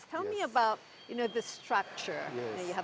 beritahulah saya tentang strukturnya